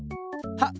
はっ！